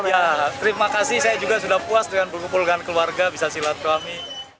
ya terima kasih saya juga sudah puas dengan berkumpulkan keluarga bisa silaturahmi